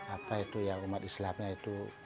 apa itu ya umat islamnya itu